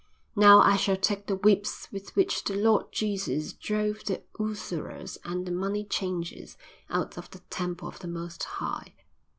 "Now I shall take the whips with which the Lord Jesus drove the usurers and the money changers out of the Temple of the Most High."